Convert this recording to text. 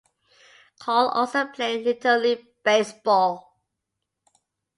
Carl also played Little League Baseball.